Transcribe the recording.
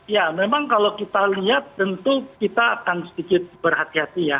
ya memang kalau kita lihat tentu kita akan sedikit berhati hati ya